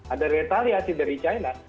ada retaliasi dari china